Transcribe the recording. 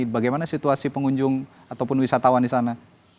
bagaimana situasi pengunjung ataupun wisatawan di sana